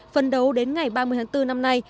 phần đầu đến ngày ba mươi tháng bốn năm nay